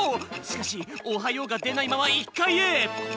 しかし「おはよう」がでないまま１かいへ。